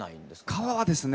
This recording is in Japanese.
皮はですね